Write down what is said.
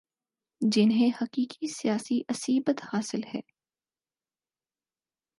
جنہیں حقیقی سیاسی عصبیت حاصل ہے